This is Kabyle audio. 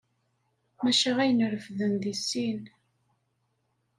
Maca ayen refden deg sin.